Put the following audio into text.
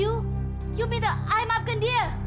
anda minta saya memaafkan dia